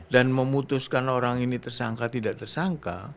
dan memutuskan orang ini tersangka tidak tersangka